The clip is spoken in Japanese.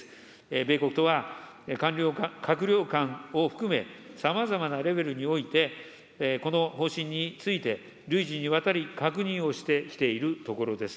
米国とは閣僚間を含め、さまざまなレベルにおいて、この方針について、累次にわたり、確認をしてきているところです。